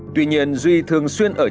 tuy nhiên duy thường xuyên ở chỗ này